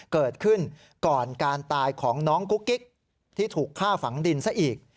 เกิดขึ้นก่อนการตายของน้องกุ๊กกิ๊กที่ถูกฆ่าฝังดินซะอีก